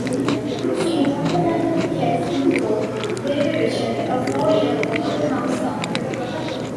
She documented the case in the book "Baby Richard - A Four-Year-Old Comes Home".